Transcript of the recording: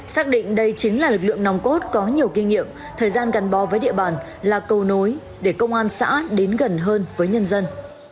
xác định đây chính là lực lượng nòng cốt có nhiều kinh nghiệm thời gian gần bò với địa bàn là cầu nối để công an xã đến gần hơn với nhân dân